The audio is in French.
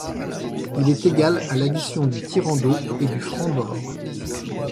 Il est égal à l'addition du tirant d'eau et du franc-bord.